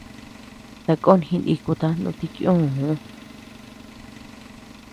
Takon jinikuta nutiukuu.